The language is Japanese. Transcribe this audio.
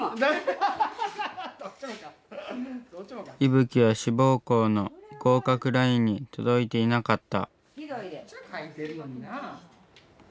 いぶきは志望校の合格ラインに届いていなかった。